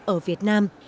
ở việt nam